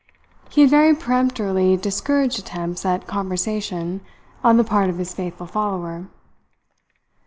He had very peremptorily discouraged attempts at conversation on the part of his faithful follower.